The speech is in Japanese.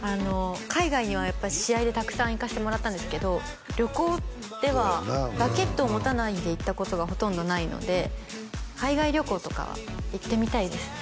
海外にはやっぱり試合でたくさん行かせてもらったんですけど旅行ではラケットを持たないで行ったことがほとんどないので海外旅行とかは行ってみたいですね